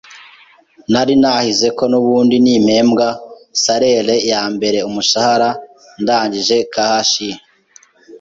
Nari nahize ko n’ubundi nimpembwa salaire ya mbere (umushahara) ndangije KHI,